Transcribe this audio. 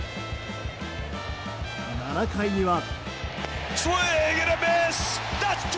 ７回には。